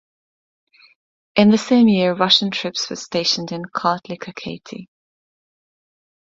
In the same year Russian troops were stationed in Kartli-Kakheti.